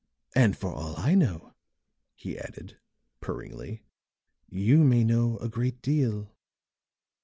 "And for all I know," he added, purringly, "you may know a great deal."